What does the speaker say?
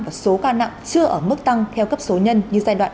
và số ca nặng chưa ở mức tăng theo cấp số nhân như giai đoạn